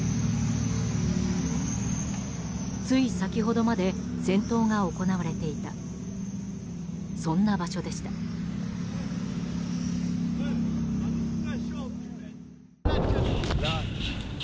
つい先ほどまで戦闘が行われていたそんな場所でした。